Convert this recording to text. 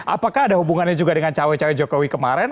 apakah ada hubungannya juga dengan cawek cawek jokowi kemarin